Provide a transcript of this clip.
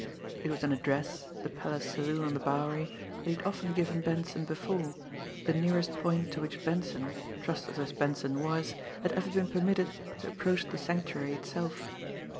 It was an address, the Palace Saloon on the Bowery, that he had often given Benson before the nearest point to which Benson, trusted as Benson was, had ever been permitted to approach the Sanctuary itself.